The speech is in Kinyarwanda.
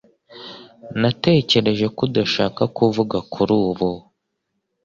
Natekereje ko udashaka kuvuga kuri ubu